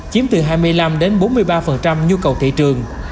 chiếm từ hai mươi năm bốn mươi ba nhu cầu thị trường